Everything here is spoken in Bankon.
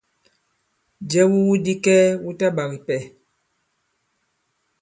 Jɛ wu iwu di kɛɛ wu ta ɓak ipɛ.